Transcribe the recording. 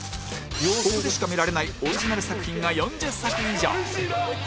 ここでしか見られないオリジナル作品が４０作以上